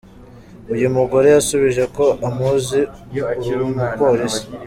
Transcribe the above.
..Uyu mugore yasubije ko amuzi ‘uri umupolisi.”